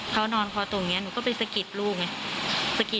เขานอนคอตรงนี้หนูก็ไปสะกิดลูกไง